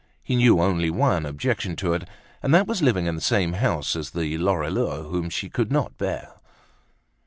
He knew only one objection to it and that was living in the same house as the Lorilleux, whom she could not bear.